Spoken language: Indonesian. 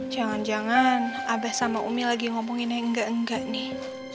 jangan jangan abah sama umi lagi ngomongin yang enggak enggak nih